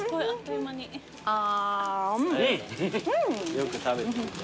よく食べてるね。